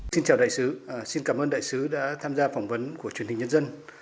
xin chào đại sứ xin cảm ơn đại sứ đã tham gia phỏng vấn của truyền hình nhân dân